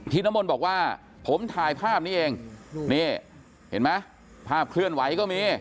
น้ำมนต์บอกว่าผมถ่ายภาพนี้เองนี่เห็นไหมภาพเคลื่อนไหวก็มี